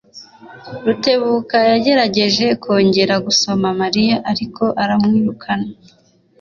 Rutebuka yagerageje kongera gusoma Mariya, ariko aramwirukana.